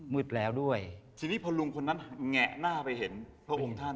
มืดแล้วด้วยทีนี้พอลุงคนนั้นแงะหน้าไปเห็นพระองค์ท่าน